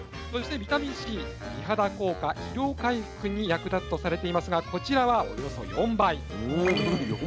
そしてビタミンＣ美肌効果疲労回復に役立つとされていますがこちらはおよそ４倍。